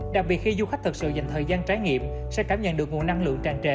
đặc biệt khi du khách thực sự dành thời gian trải nghiệm sẽ cảm nhận được nguồn năng lượng tràn trề